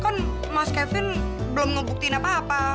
kan mas kevin belum ngebuktiin apa apa